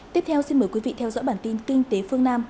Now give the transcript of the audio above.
tiếp theo xin mời quý vị theo dõi bản tin kinh tế phương nam